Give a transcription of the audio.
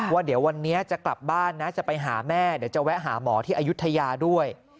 ว่าเดี๋ยววันนี้จะกลับบ้านนะจะไปหาแม่เดี๋ยวจะแวะหาหมอที่อายุทยาด้วย